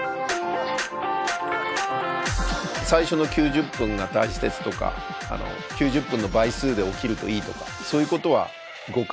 最初の９０分が大事ですとか９０分の倍数で起きるといいとかそういうことは誤解。